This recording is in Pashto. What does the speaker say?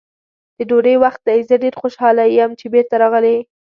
د ډوډۍ وخت دی، زه ډېر خوشحاله یم چې بېرته راغلې.